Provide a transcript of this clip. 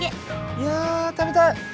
いや食べたい！